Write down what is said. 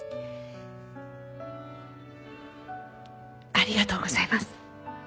ありがとうございます。